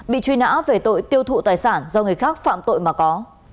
bị truy nã về tội tiêu thụ tài sản do người khác phạm tội mà có